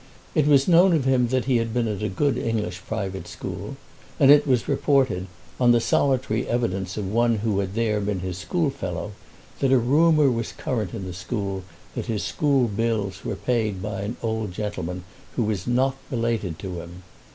It was known of him that he had been at a good English private school, and it was reported, on the solitary evidence of one who had there been his schoolfellow, that a rumour was current in the school that his school bills were paid by an old gentleman who was not related to him.